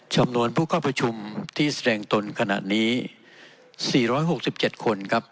ชำนวนผู้ครอบความประชุมที่แสดงตนขณะนี้สี่ร้อยหกสิบเจ็ดคนครับ